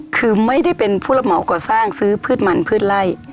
คือไม่ได้เป็นผู้รับเหมาก่อสร้างซื้อพืชมันพืชไล่